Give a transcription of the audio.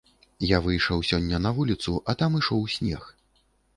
Я выйшаў сёння на вуліцу, а там ішоў снег.